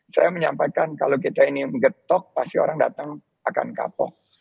saya menyampaikan kalau kita ini getok pasti orang datang akan kapok